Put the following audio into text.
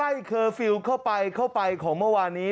เคอร์ฟิลล์เข้าไปเข้าไปของเมื่อวานนี้